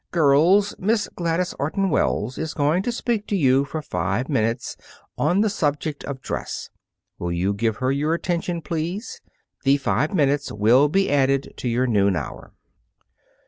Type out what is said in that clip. "Girls, Miss Gladys Orton Wells is going to speak to you for five minutes on the subject of dress. Will you give her your attention, please. The five minutes will be added to your noon hour."